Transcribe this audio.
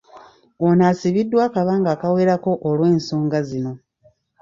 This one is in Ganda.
Ono asibiddwa akabanga akawerako olw'ensonga zino.